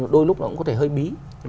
đôi lúc nó cũng có thể hơi bí